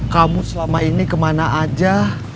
kamu selama ini kemana aja